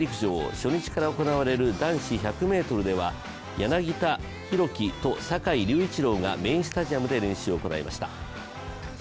初日から行われる男子１００ｍでは柳田大輝と坂井隆一郎がメインスタジアムで練習を行いました。